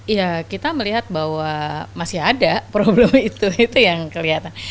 ya kita melihat bahwa masih ada problem itu itu yang kelihatan